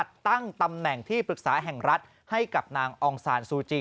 ตั้งตำแหน่งที่ปรึกษาแห่งรัฐให้กับนางองซานซูจี